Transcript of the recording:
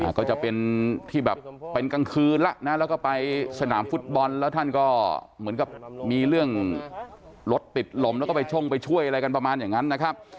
ก็จะเป็นที่แบบเป็นกลางคืนแล้วนะแล้วก็ไปสนามฟุตบอลแล้วท่านก็เหมือนกับมีเรื่องรถติดลมแล้วก็ไปช่งไปช่วยอะไรกันประมาณอย่างนั้นนะครับ